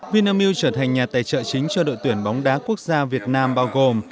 vinamilk trở thành nhà tài trợ chính cho đội tuyển bóng đá quốc gia việt nam bao gồm